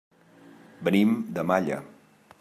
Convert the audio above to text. Venim de Malla.